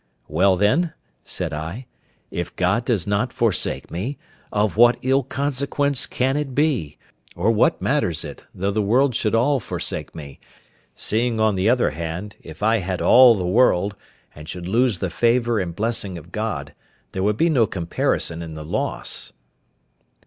"Well, then," said I, "if God does not forsake me, of what ill consequence can it be, or what matters it, though the world should all forsake me, seeing on the other hand, if I had all the world, and should lose the favour and blessing of God, there would be no comparison in the loss?"